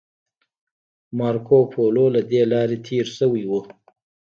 مارکوپولو له دې لارې تیر شوی و